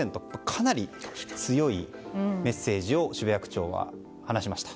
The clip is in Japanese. かなり強いメッセージを渋谷区長は話しました。